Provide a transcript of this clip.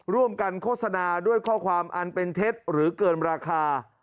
ร่วมกันโฆษณาด้วยข้อความอันเป็นเท็จหรือเกินราคา